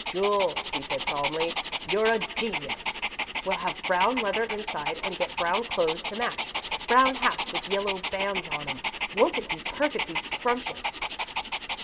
"Jule," he said solemnly, "you're a genius!" "We'll have brown leather inside, and get brown clothes to match. Brown hats with yellow bands on 'em won't it be perfectly scrumptious?"